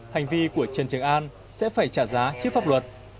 hành vi của trần trường an sẽ phải trả giá trước pháp luật